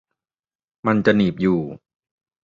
มันจะหนีบอยู่